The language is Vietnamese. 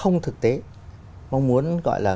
nó gọi là